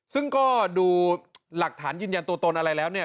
ซึ่งก็ดูหลักฐานยืนยันตัวตนอะไรแล้วเนี่ย